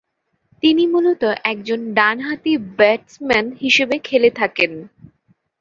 তিনি মূলত একজন ডানহাতি ব্যাটসম্যান হিসেবে খেলে থাকেন।